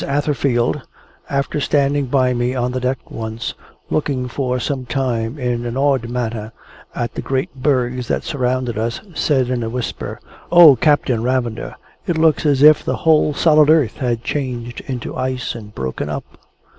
Atherfield after standing by me on deck once, looking for some time in an awed manner at the great bergs that surrounded us, said in a whisper, "O! Captain Ravender, it looks as if the whole solid earth had changed into ice, and broken up!"